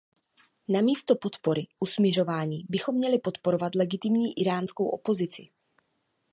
Namísto podpory usmiřování bychom měli podporovat legitimní íránskou opozici.